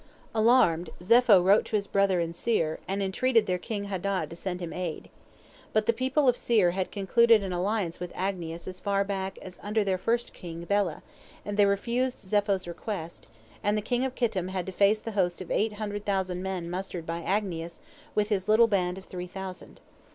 Alarmed, Zepho wrote to his brethren in Seir, and entreated their king Hadad to send him aid. But the people of Seir had concluded an alliance with Agnias as far back as under their first king Bela, and they refused Zepho's request, and the king of Kittim had to face the host of eight hundred thousand men mustered by Agnias with his little band of three thousand.